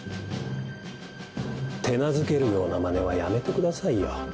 手なずけるようなまねはやめてくださいよ。